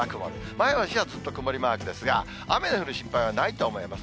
前橋はずっと曇りマークですが、雨の降る心配はないと思います。